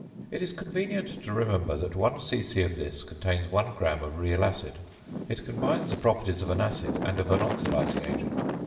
It is convenient to remember that one c.c. of this contains 1 gram of real acid. It combines the properties of an acid and of an oxidising agent.